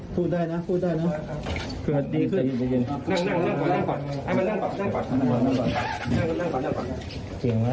พูดได้นะพูดได้นะ